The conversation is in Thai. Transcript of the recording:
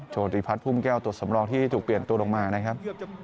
โชติพัฒนพุ่มแก้วตัวสำรองที่ถูกเปลี่ยนตัวลงมานะครับ